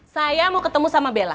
saya mau ketemu sama bella